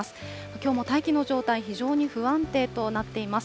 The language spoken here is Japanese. きょうも大気の状態、非常に不安定となっています。